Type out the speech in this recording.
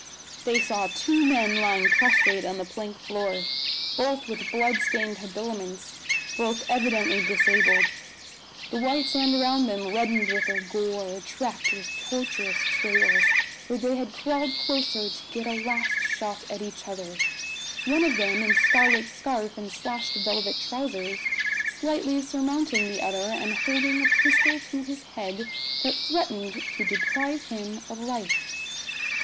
They saw two men lying prostrate on the plank floor; both with bloodstained habiliments, both evidently disabled; the white sand around them reddened with their gore, tracked with tortuous trails, where they had crawled closer to get a last shot at each other one of them, in scarlet scarf and slashed velvet trousers, slightly surmounting the other, and holding a pistol to his head that threatened to deprive him of life.